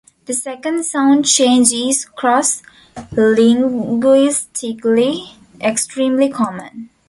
The second sound change is cross-linguistically extremely common.